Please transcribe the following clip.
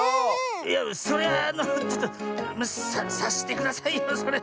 いやそれはあのちょっとさっしてくださいよそれ。